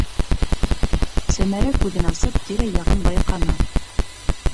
- Сәмәрә, күҙен асып, тирә-яғын байҡаны.